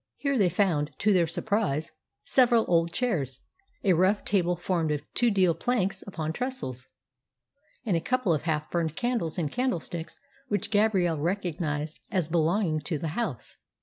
Here they found, to their surprise, several old chairs, a rough table formed of two deal planks upon trestles, and a couple of half burned candles in candlesticks which Gabrielle recognised as belonging to the house.